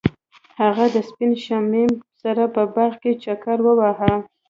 هغوی د سپین شمیم سره په باغ کې چکر وواهه.